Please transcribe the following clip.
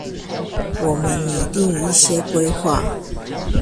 我們擬訂一些規劃